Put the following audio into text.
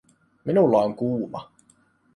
Minulla on kuuma